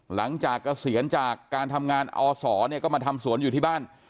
เกษียณจากการทำงานอศเนี่ยก็มาทำสวนอยู่ที่บ้าน